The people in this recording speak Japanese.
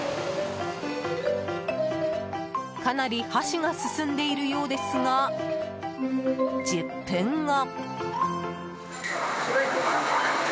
かなり箸が進んでいるようですが１０分後。